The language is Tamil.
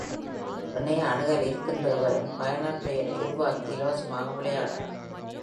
இணைய அணுகல் இருக்கின்ற எவரும் பயனர்பெயரை உருவாக்கி இலவசமாக விளையாடலாம்.